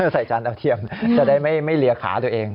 ใส่จานดาวเทียมจะได้ไม่เลียขาตัวเอง